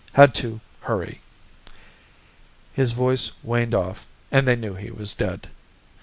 Had to hurry " His voice waned off and they knew he was dead.